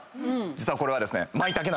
実はこれはですね。